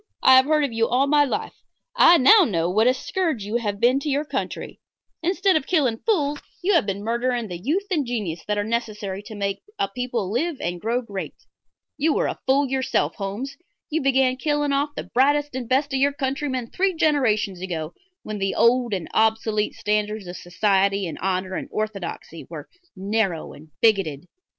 I have heard of you all my life. I know now what a scourge you have been to your country. Instead of killing fools you have been murdering the youth and genius that are necessary to make a people live and grow great. You are a fool yourself, Holmes; you began killing off the brightest and best of our countrymen three generations ago, when the old and obsolete standards of society and honor and orthodoxy were narrow and bigoted.